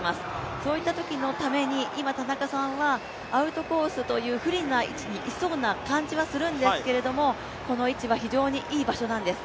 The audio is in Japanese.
そういったときのために今、田中さんはアウトコースという不利な位置にいそうな感じはするんですが、この位置は非常にいい場所なんです。